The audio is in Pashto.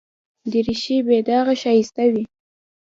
دریشي بې داغه ښایسته وي.